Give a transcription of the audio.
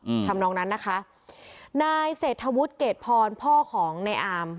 อืมทำนองนั้นนะคะนายเศรษฐวุฒิเกรดพรพ่อของในอาม